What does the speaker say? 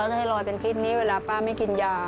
จะให้ลอยเป็นพิษนี้เวลาป้าไม่กินยา